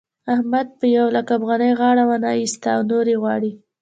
احمد په يو لک افغانۍ غاړه و نه اېسته او نورې غواړي.